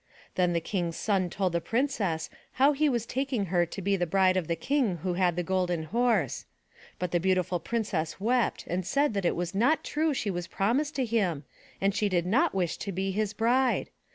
Then the King's son told the Princess how he was taking her to be the bride of the King who had the Golden Horse. But the Beautiful Princess wept and said it was not true she was promised to him and she did not wish to be his bride.